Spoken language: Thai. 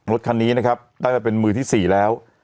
รถคันนี้นะครับได้มาเป็นมือที่๔แล้ว